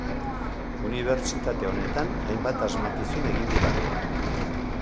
Unibertsitate honetan, hainbat asmakizun egin dira.